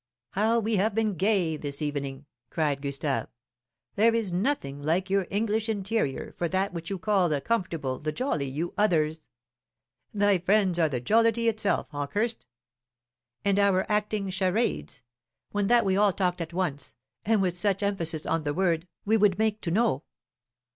"How we have been gay this evening!" cried Gustave. "There is nothing like your English interior for that which you call the comfortable, the jolly, you others. Thy friends are the jollity itself, Hawkehurst. And our acting charades, when that we all talked at once, and with a such emphasis on the word we would make to know.